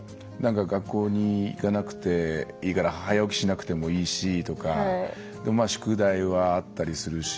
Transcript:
学校に行かなくていいから早起きしなくてもいいしとかでも、宿題はあったりするし。